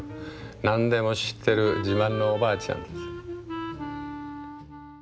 何でも知ってる自慢のおばあちゃんです。